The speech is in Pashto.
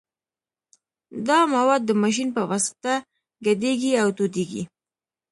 دا مواد د ماشین په واسطه ګډیږي او تودیږي